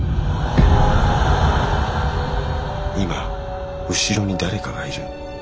今後ろに誰かがいる。